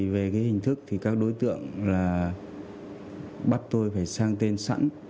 về hình thức các đối tượng bắt tôi phải sang tên sẵn